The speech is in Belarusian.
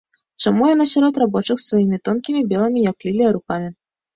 Чаму яна сярод рабочых з сваімі тонкімі, белымі, як лілія, рукамі?